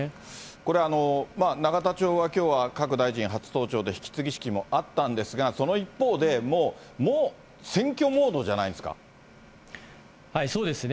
これ、永田町はきょうは各大臣初登庁で、引き継ぎ式もあったんですが、その一方で、もう、そうですね。